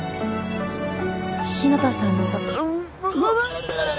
日向さんのことうっ